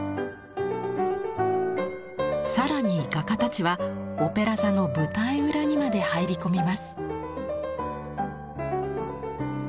更に画家たちはオペラ座の舞台裏にまで入り込みます。